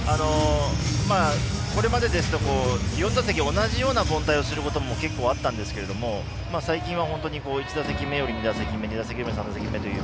これまでですと４打席同じような凡退をすることも結構あったんですけれど最近は本当に１打席目より２打席目２打席目より３打席目。